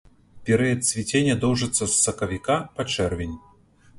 Перыяд цвіцення доўжыцца з сакавіка па чэрвень.